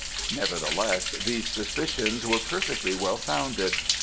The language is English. "Nevertheless, these suspicions were perfectly well founded.